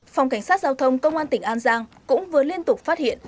phòng cảnh sát giao thông công an tỉnh an giang cũng vừa liên tục phát hiện